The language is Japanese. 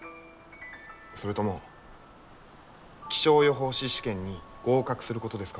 それとも気象予報士試験に合格することですか？